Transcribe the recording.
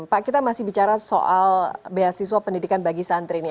pak kita masih bicara soal beasiswa pendidikan bagi santri ini